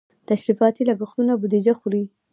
تشریفاتي لګښتونه بودیجه خوري.